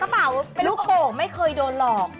เป๋าเป็นลูกโข่งไม่เคยโดนหลอก